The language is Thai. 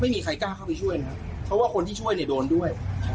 ไม่มีใครกล้าเข้าไปช่วยนะครับเพราะว่าคนที่ช่วยเนี่ยโดนด้วย